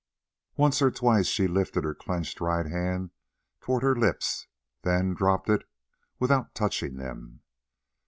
Once or twice she lifted her clenched right hand towards her lips, then dropped it without touching them.